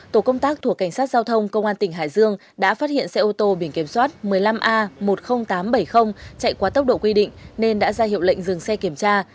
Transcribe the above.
tổ công tác thuộc cảnh sát giao thông công an tỉnh hải dương đã phát hiện xe ô tô biển kiểm soát một mươi năm a một mươi nghìn tám trăm bảy mươi chạy quá tốc độ quy định nên đã ra hiệu lệnh dừng xe kiểm tra